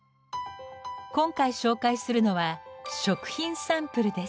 今回紹介するのは食品サンプルです。